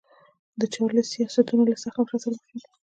د چارلېز سیاستونه له سخت نفرت سره مخ شول.